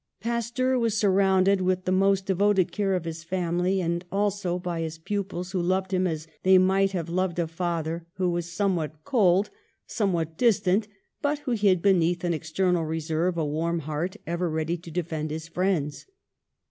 Pasteur was surrounded with the most de voted care by his family, and also by his pupils, who loved him as they might have loved a father who was somewhat cold, somewhat dis tant, but who hid beneath an external reserve a warm heart ever ready to defend his friends.